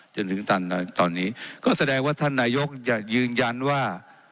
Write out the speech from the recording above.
จนถึงตอนนี้ก็แสดงว่าท่านนายกจะยืนยันว่า